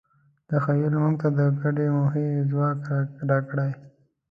تخیل موږ ته د ګډې موخې ځواک راکړی.